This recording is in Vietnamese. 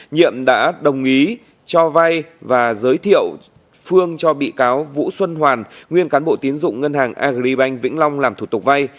nhiệm đã đồng ý cho vay và giới thiệu phương cho bị cáo vũ xuân hoàn nguyên cán bộ tiến dụng ngân hàng agribank vĩnh long làm thủ tục vay